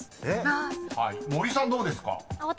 ［森さんどうですか？］